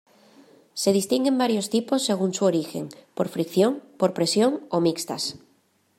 Se distinguen varios tipos según su origen: por fricción, por presión o mixtas.